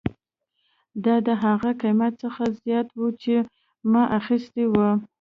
دا د هغه قیمت څخه زیات و چې ما اخیستی و